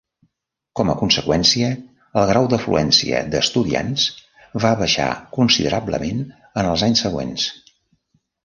Com a conseqüència, el grau d'afluència d'estudiants va baixar considerablement en els anys següents.